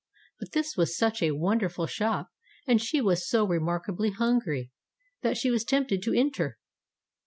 But this was such a wonderful shop, and she was so remarkably hungry, that she was tempted to enter.